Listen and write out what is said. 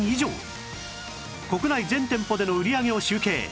国内全店舗での売り上げを集計